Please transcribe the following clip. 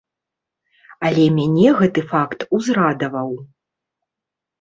Але мяне гэты факт узрадаваў.